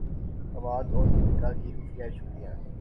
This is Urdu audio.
فواد اور دپیکا کی خفیہ چھٹیاں